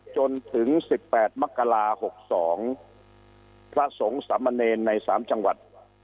จนถึงสิบแปดมะกะลาหกสองพระสงสัมมเนญในสามจังหวัด